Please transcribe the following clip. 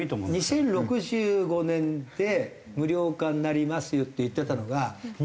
２０６５年で無料化になりますよって言ってたのが２１１５年。